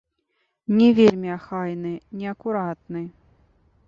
Не вельмі ахайны, неакуратны.